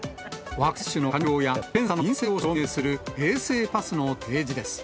ワクチン接種の完了や、検査の陰性を証明する衛生パスの提示です。